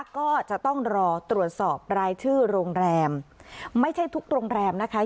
ก็จะต้องรอตรวจสอบรายชื่อโรงแรมไม่ใช่ทุกโรงแรมนะคะ